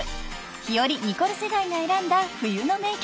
［ひより・ニコル世代が選んだ冬の名曲］